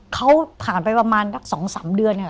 เขาผ่านไปประมาณสองสามเดือน